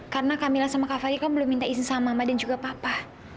karena kamilah sama kak fadil kan belum minta izin sama mama dan juga papa